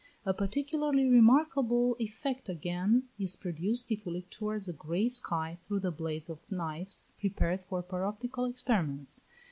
A particularly remarkable effect again is produced if we look towards a grey sky through the blades of knives prepared for paroptical experiments.